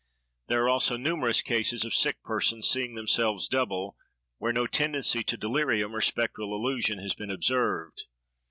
There are also numerous cases of sick persons seeing themselves double, where no tendency to delirium or spectral illusion has been observed.